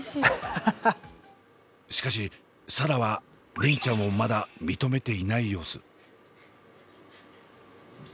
しかし紗蘭は梨鈴ちゃんをまだ認めていない様子。